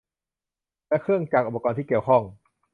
และเครื่องจักรอุปกรณ์ที่เกี่ยวข้อง